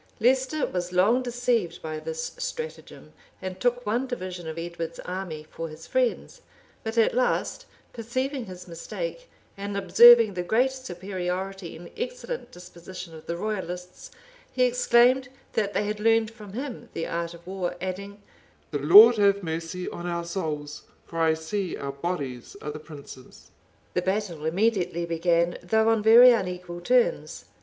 Leicester was long deceived by this stratagem, and took one division of Edward's army for his friends; but at last, perceiving his mistake, and observing the great superiority and excellent disposition of the royalists, he exclaimed, that they had learned from him the art of war; adding, "The Lord have mercy on our souls, for I see our bodies are the prince's!" The battle immediately began, though on very unequal terms.